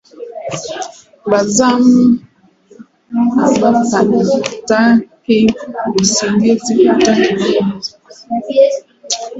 Ba zamu aba pataki busingizi ata kiloko busiku